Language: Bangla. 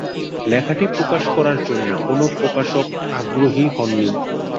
লেখাটি প্রকাশ করার জন্য কোন প্রকাশক আগ্রহী হননি।